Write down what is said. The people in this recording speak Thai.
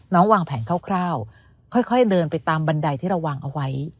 วางแผนคร่าวค่อยเดินไปตามบันไดที่เราวางเอาไว้